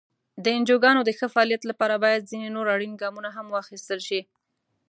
د انجوګانو د ښه فعالیت لپاره باید ځینې نور اړین ګامونه هم واخیستل شي.